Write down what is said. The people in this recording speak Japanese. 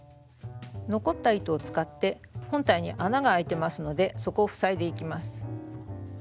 残った糸を使って本体に穴が開いてますのでそこを塞いでいきます。